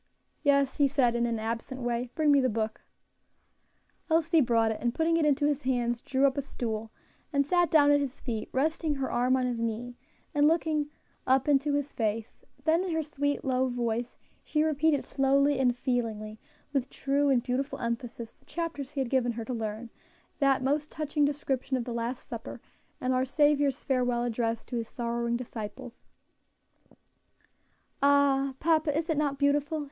"Yes," he said, in an absent way; "bring me the book." Elsie brought it, and putting it into his hands, drew up a stool and sat down at his feet, resting her arm on his knee, and looking up into his face; then in her sweet, low voice, she repeated slowly and feelingly, with true and beautiful emphasis, the chapters he had given her to learn; that most touching description of the Last Supper, and our Saviour's farewell address to His sorrowing disciples. "Ah! papa, is it not beautiful?"